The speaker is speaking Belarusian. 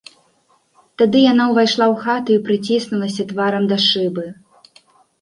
Тады яна ўвайшла ў хату і прыціснулася тварам да шыбы.